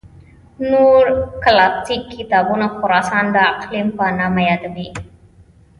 نور کلاسیک کتابونه خراسان د اقلیم په نامه یادوي.